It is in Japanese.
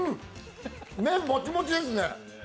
麺もちもちですね。